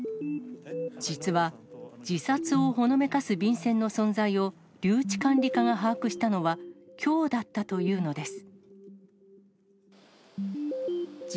実は、自殺をほのめかす便箋の存在を留置管理課が把握したのは、きょうだったというのです。